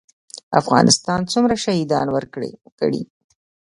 افغانستان څومره شهیدان ورکړي؟